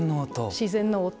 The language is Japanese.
自然の音